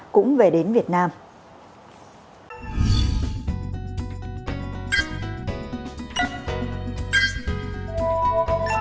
cũng về đến sân bay tân sân nhất